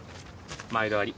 毎度あり。